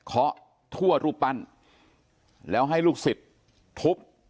เคาะทั่วรูปปั้นแล้วให้ลูกศิษย์ทุบ